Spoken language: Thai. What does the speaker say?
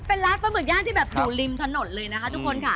เป็นร้านปลาหมึกย่างที่แบบอยู่ริมถนนเลยนะคะทุกคนค่ะ